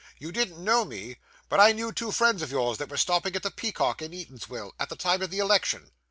'You didn't know me, but I knew two friends of yours that were stopping at the Peacock at Eatanswill, at the time of the election.